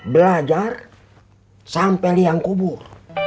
belajar sampai liang kubur